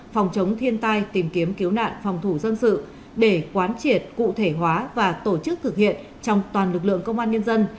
phòng chống thiên tai tìm kiếm cứu nạn phòng thủ dân sự để quán triệt cụ thể hóa và tổ chức thực hiện trong toàn lực lượng công an nhân dân